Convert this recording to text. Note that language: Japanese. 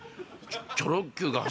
チョロＱが走れ